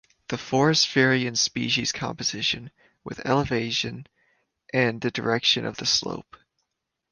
The forests vary in species composition with elevation and the direction of the slope.